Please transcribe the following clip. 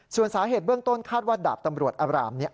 ส่วนสาเหตุเบื้องต้นคาดว่าดาบตำรวจอารามเนี่ย